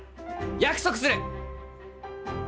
約束する！